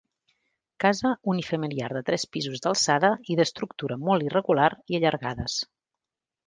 Casa unifamiliar de tres pisos d'alçada i d'estructura molt irregular i allargades.